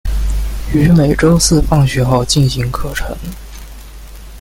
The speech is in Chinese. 于每周四放学后进行课程。